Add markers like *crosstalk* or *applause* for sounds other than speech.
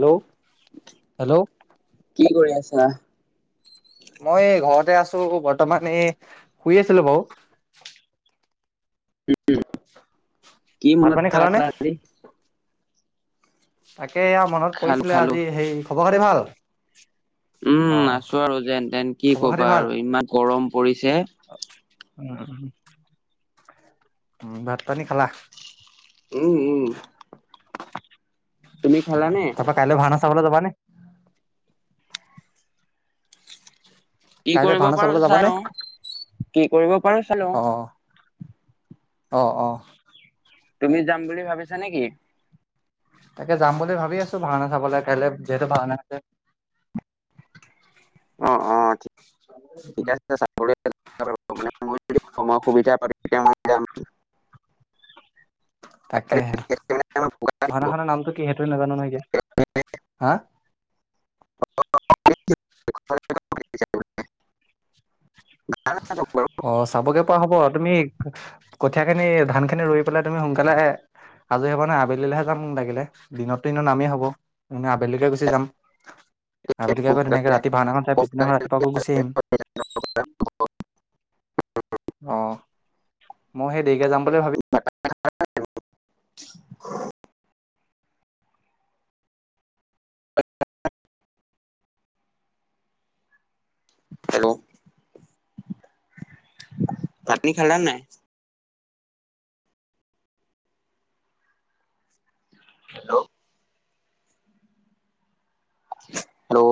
Hello, hello. অহ। মই ঘৰতে আছোঁ বৰ্তমান এই শুই আছিলোঁ বাৰু। *unintelligible* কি ভাত মনত পানী খালানে পেলালা আজি। তাকে এয়া মনত খালো পৰিছিলে খালো আজি সেই খবৰ খাতি ভাল। অ উম, আছো আৰু যেন তেন কি খবৰ খাতি কবা ভাল আৰু ইমান গৰম পৰিছে। উম, ভাত পানী খালা? উম, উম। তুমি খালানে? তাৰপা কাইলৈ ভাওনা চাবলৈ যাবানে? কি কাইলৈ কৰিব ভাওনা পাৰো চাবলৈ যাবা চাই নে? লওঁ কি কৰিব পাৰো চাই লওঁ আহ, আহ। তুমি যাম বুলি ভাবিছা নেকি? তাকে যাম বুলি ভাবি আছো ভাওনা চাবলৈ কাইলে যিহেতু ভাওনা আছে। অ, অ ঠিক আছে চাকৰি মান মই যদি সময় সুবিধা পা তেতিয়া মই যাম। তাকেহে। ভাওনা খনৰ নামটো কি সেইটোৱে নাজানো নহয় এতিয়া হা *inaudible* অ চাবগে পৰা হ'ব তুমি কঠিয়া খিনি ধান খিনি ৰুই পেলাই তুমি সোনকালে আজৰি হবা নে আবেলিলৈহে যাম লাগিলে দিনতো এনে নামেই হব এনেই আবেলিলিকে গুচি যাম আবেলিকে আকৌ তেনেকে ৰাতি ভাওনাখন চাই পিছদিনাখন ৰাতিপুৱ আকৌ গুচি আহিম আহ মই সেই দেৰিকে যাম বুলি ভাবি *inaudible* হেল্ল' পাটি খালা নাই হেল্ল' হেল্ল'